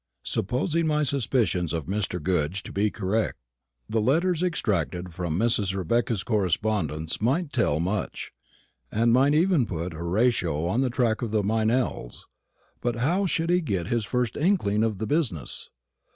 Supposing my suspicions of Mr. Goodge to be correct, the letters extracted from Mrs. Rebecca's correspondence might tell much, and might even put Horatio on the track of the Meynells. But how should he get his first inkling of the business?